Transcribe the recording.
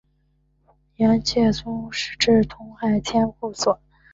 元宪宗时置通海千户所。